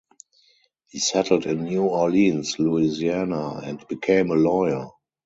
He settled in New Orleans, Louisiana, and became a lawyer.